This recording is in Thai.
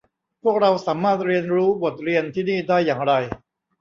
พวกเราสามารถเรียนรู้บทเรียนที่นี่ได้อย่างไร